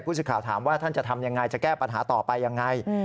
สื่อข่าวถามว่าท่านจะทำยังไงจะแก้ปัญหาต่อไปยังไง